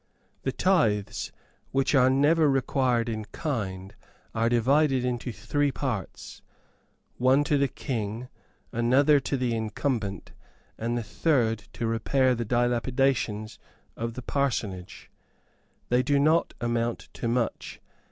The tithes, which are never required in kind, are divided into three parts one to the king, another to the incumbent, and the third to repair the dilapidations of the parsonage. They do not amount to much.